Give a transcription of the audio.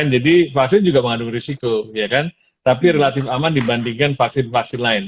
jadi vaksin juga mengandung risiko tapi relatif aman dibandingkan vaksin vaksin lain